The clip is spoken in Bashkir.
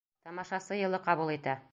Тамашасы йылы ҡабул итә.